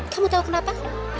kamu tau kenapa